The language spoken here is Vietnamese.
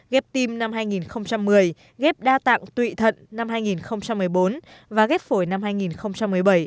ghép tim năm hai nghìn một mươi ghép đa tạng tụy thận năm hai nghìn một mươi bốn và ghép phổi năm hai nghìn một mươi bảy